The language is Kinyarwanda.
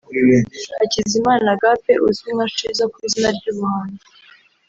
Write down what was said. Hakizimana Agappe uzwi nka Shizzo ku izina ry'ubuhanzi